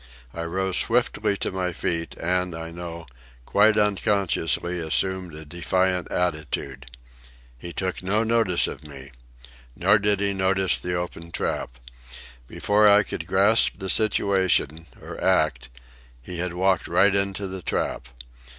I rose swiftly to my feet, and, I know, quite unconsciously assumed a defiant attitude. He took no notice of me. Nor did he notice the open trap. Before I could grasp the situation, or act, he had walked right into the trap.